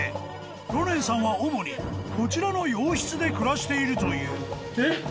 ロネンさんは主にこちらの洋室で暮らしているというへ？